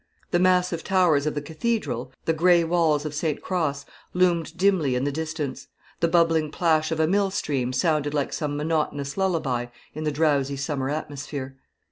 The massive towers of the cathedral, the grey walls of St. Cross, loomed dimly in the distance; the bubbling plash of a mill stream sounded like some monotonous lullaby in the drowsy summer atmosphere.